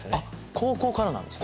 高校からなんですね。